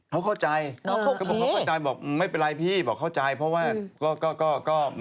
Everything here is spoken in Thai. แล้วน้องเขาเข้าใจพี่ไหม